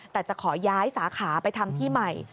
แต่จะขอย้ายสาขาไปทำที่ใหม่